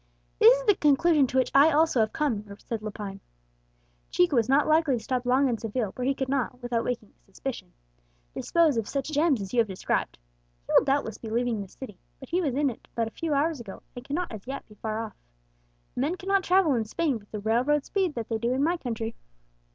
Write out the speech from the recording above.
"This is the conclusion to which I also have come," said Lepine. "Chico is not likely to stop long in Seville, where he could not, without awaking suspicion, dispose of such gems as you have described. He will doubtless be leaving this city; but he was in it but a few hours ago, and cannot as yet be far off. Men cannot travel in Spain with the railroad speed that they do in my country.